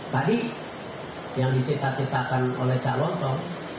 tadi yang dicipta ciptakan oleh calon toh